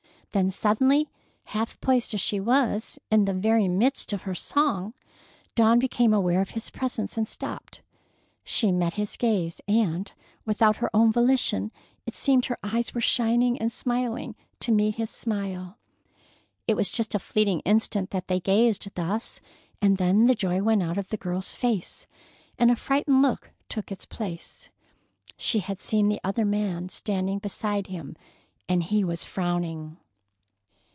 Then suddenly, half poised as she was, in the very midst of her song, Dawn became aware of his presence and stopped. She met his gaze, and, without her own volition, it seemed, her eyes were shining and smiling to meet his smile. It was just a fleeting instant that they gazed thus, and then the joy went out of the girl's face, and a frightened look took its place. She had seen the other man standing beside him, and he was frowning.